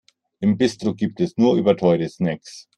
Im Bistro gibt es nur überteuerte Snacks.